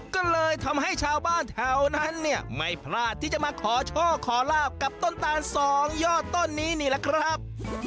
ก็เลยทำให้ชาวบ้านแถวนั้นเนี่ยไม่พลาดที่จะมาขอโชคขอลาบกับต้นตาลสองยอดต้นนี้นี่แหละครับ